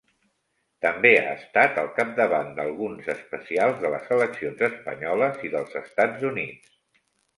També ha estat al capdavant d'alguns especials de les eleccions espanyoles i dels Estats Units.